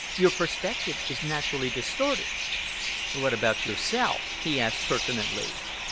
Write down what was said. Your perspective is naturally distorted." "What about yourself?" he asked pertinently.